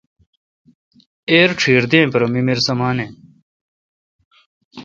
ایر چھیر دین پر ممیر سمانہ